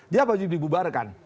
dia pasti dibubarkan